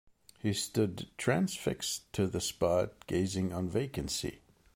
He stood transfixed to the spot, gazing on vacancy.